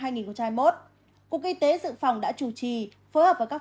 cục y tế dự phòng đã chủ trì phối hợp với các phương pháp